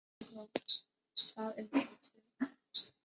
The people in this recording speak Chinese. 拉斐尔故居。